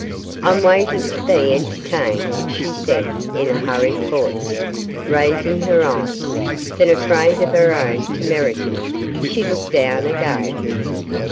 'I'm waiting to be entertained,' she said, in a hurried voice, raising her eyes; then afraid of her own temerity, she looked down again.